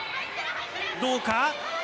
どうか。